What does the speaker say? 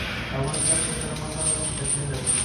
افغانستان په سلیمان غر باندې تکیه لري.